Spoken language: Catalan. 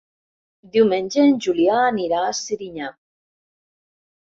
Diumenge en Julià anirà a Serinyà.